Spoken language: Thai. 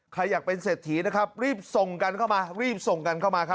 ใครอยากเป็นเศรษฐีนะครับรีบส่งกันเข้ามารีบส่งกันเข้ามาครับ